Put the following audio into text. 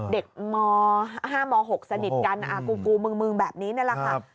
เด็กม๕ม๖สนิทกันมึงแบบนี้แหละค่ะ